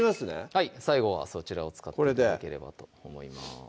はい最後はそちらを使って頂ければと思います